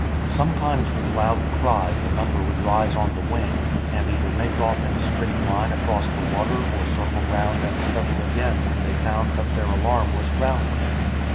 Sometimes with loud cries a number would rise on the wing, and either make off in a straight line across the water or circle round and settle again when they found that their alarm was groundless.